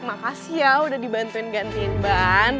makasih ya udah dibantuin gantiin ban